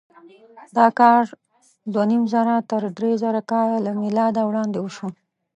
دا کار دوهنیمزره تر درېزره کاله له مېلاده وړاندې وشو.